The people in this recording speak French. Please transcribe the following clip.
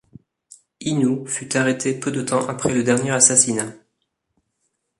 Inoue fut arrêté peu de temps après le dernier assassinat.